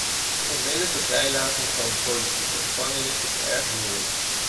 De onmiddellijke vrijlating van politieke gevangenen is erg moeilijk.